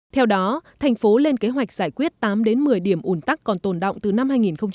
theo đó thành phố lên kế hoạch giải quyết tám một mươi điểm un tắc còn tồn động từ năm hai nghìn một mươi tám